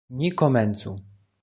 Ni komencu!